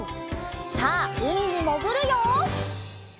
さあうみにもぐるよ！